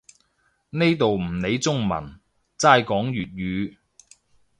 呢度唔理中文，齋講粵語